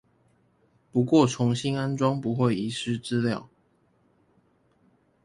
不過重新安裝不會遺失資料